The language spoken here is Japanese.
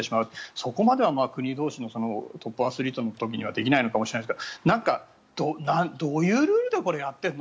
そこまでは国同士のトップアスリートの時にはできないのかもしれませんがどういうルールでやってるの？